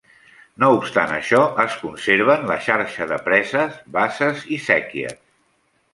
No obstant això es conserven la xarxa de preses, basses i séquies.